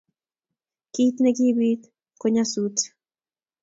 Kit ne kibit ko nyosut